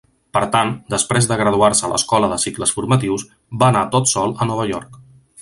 Per tant, després de graduar-se a l'escola de cicles formatius, va anar tot sol a Nova York.